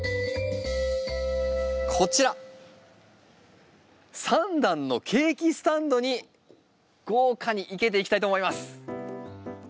こちら３段のケーキスタンドに豪華に生けていきたいと思います。